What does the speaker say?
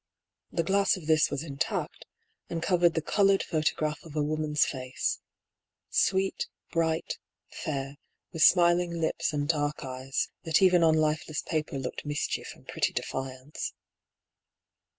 The glass of this was intact, and covered the coloured photograph of a woman's face — sweet, bright, fair, with smiling lips and dark eyes, that even on lifeless paper looked mischief and pretty defiance.